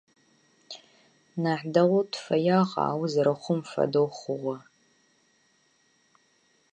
Хотели как лучше, а получилось как всегда